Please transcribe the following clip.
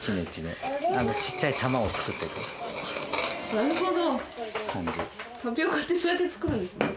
なるほど。